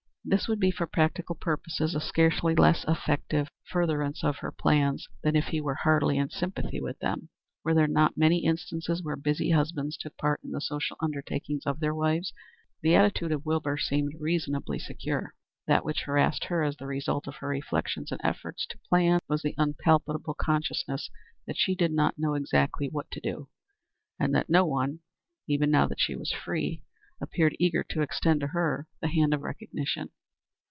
This would be for practical purposes a scarcely less effective furtherance of her plans than if he were heartily in sympathy with them. Were there not many instances where busy husbands took part in the social undertakings of their wives, merely on the surface, to preserve appearances? The attitude of Wilbur seemed reasonably secure. That which harassed her as the result of her reflections and efforts to plan was the unpalatable consciousness that she did not know exactly what to do, and that no one, even now that she was free, appeared eager to extend to her the hand of recognition.